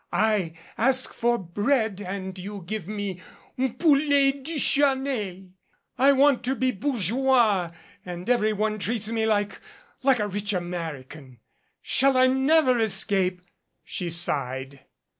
I 'ask for bread' and you give me poulet Duchanel. I want to be bourgeois and everyone treats me like like a rich American. Shall I never escape?" she sighed.